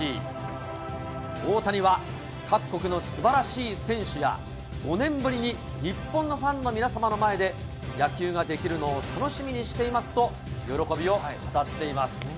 大谷は各国のすばらしい選手や、５年ぶりに日本のファンの皆様の前で野球ができるのを楽しみにしていますと、喜びを語っています。